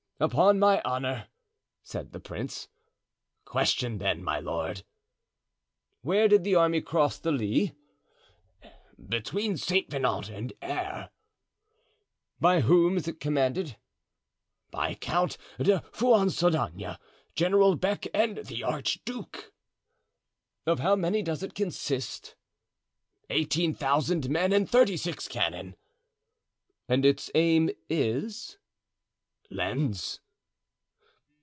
"Upon my honor," said the prince. "Question, then, my lord." "Where did the army cross the Lys?" "Between Saint Venant and Aire." "By whom is it commanded?" "By Count de Fuonsaldagna, General Beck and the archduke." "Of how many does it consist?" "Eighteen thousand men and thirty six cannon." "And its aim is?" "Lens."